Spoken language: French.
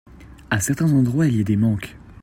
À certains endroits il y a des manques.